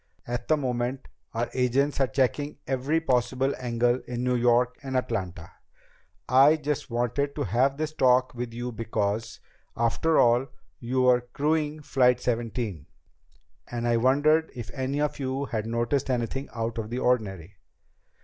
At the moment our agents are checking every possible angle in New York and Atlanta. I just wanted to have this talk with you because, after all, you were crewing Flight Seventeen, and I wondered if any of you had noticed anything out of the ordinary."